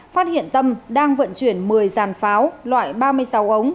phát hiện tâm đang vận chuyển một mươi dàn pháo loại ba mươi sáu ống